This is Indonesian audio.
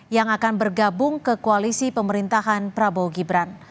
yang akan bergabung ke koalisi pemerintahan prabowo gibran